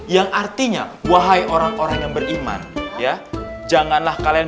yang artinya wahai orang orang yang beriman ya janganlah kalian